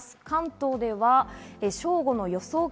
関東では正午の予想